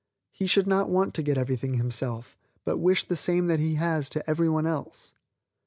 He should not want to get everything himself, but wish the same that he has to everyone else.